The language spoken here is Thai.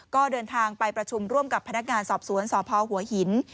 ก็เดินทางไปประชุมร่วมกับพนักงานสอบสวนสพหัวหิน